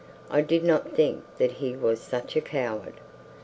I did not think that he was such a coward.